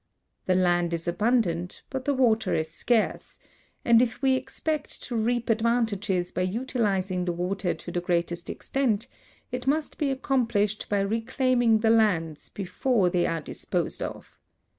The land is abundant, but the water is scarce, and if we expect to reap advantages by utilizing the water to the greatest extent, it must be accomi)lished by reclaiming the lands before they are disposed of.